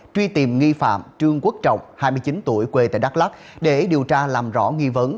truy tìm nghi phạm trương quốc trọng hai mươi chín tuổi quê tại đắk lắc để điều tra làm rõ nghi vấn